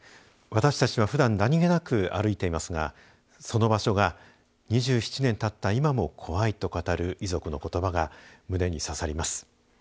私たちはふだん何気なく歩いていますがその場所が「２７年たった今も怖い」と語る遺族のことばが胸に刺さります。